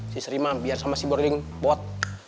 si seri mam biar sama si broding buat